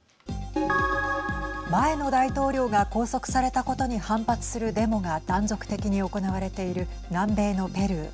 前の大統領が拘束されたことに反発するデモが断続的に行われている南米のペルー。